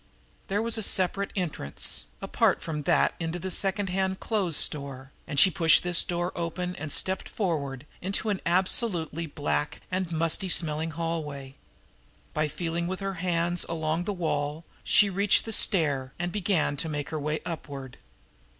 There was a separate entrance, apart from that into the secondhand clothes store, and she pushed this door open and stepped forward into an absolutely black and musty smelling hallway. By feeling with her hands along the wall she reached the stairs and began to make her way upward.